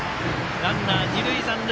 ランナー、二塁残塁。